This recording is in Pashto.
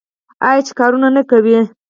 آیا چې کار نه کوي؟